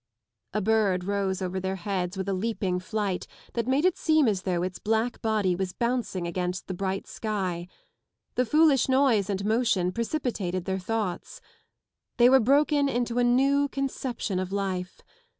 A bird rose over their heads with a leaping flight that made it seem as though Its black body was bouncing against the bright sky. The foolish noise and motion precipitated their thoughts. They were broken into a new conception of life.